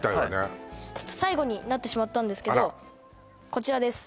ちょっと最後になってしまったんですけどこちらです